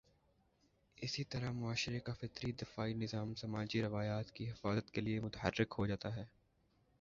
اسی طرح معاشرے کا فطری دفاعی نظام سماجی روایات کی حفاظت کے لیے متحرک ہو جاتا ہے۔